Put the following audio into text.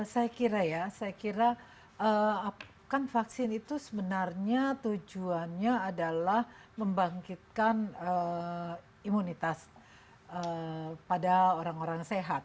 saya kira ya saya kira kan vaksin itu sebenarnya tujuannya adalah membangkitkan imunitas pada orang orang sehat